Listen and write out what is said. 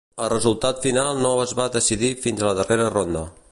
El resultat final no es va decidir fins a la darrera ronda.